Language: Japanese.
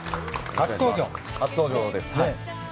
初登場です、はい。